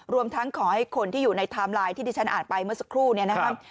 รวมทั้งขอให้คนที่อยู่ในไทม์ไลน์ที่ที่ฉันอ่านไปเมื่อสักครู่เนี่ยนะครับ